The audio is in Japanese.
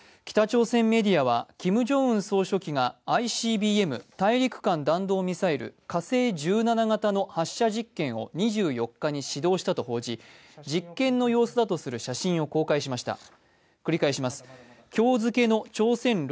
北朝鮮メディアはキム・ジョンウン総書記がＩＣＢＭ＝大陸間弾道ミサイル火星１７型の発射実験を２４日に指導したと報じ、実験の様子だとする写真を公開しました。